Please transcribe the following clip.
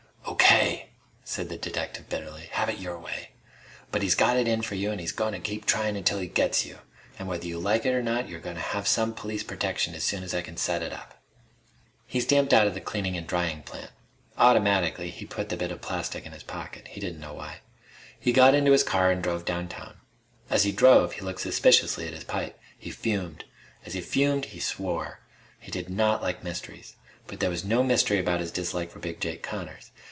"O.K.!" said the detective bitterly. "Have it your way! But he's got it in for you an' he's goin' to keep tryin' until he gets you! An' whether you like it or not, you're goin' to have some police protection as soon as I can set it up." He stamped out of the cleaning and drying plant. Automatically, he put the bit of plastic in his pocket. He didn't know why. He got into his car and drove downtown. As he drove, he looked suspiciously at his pipe. He fumed. As he fumed, he swore. He did not like mysteries. But there was no mystery about his dislike for Big Jake Connors.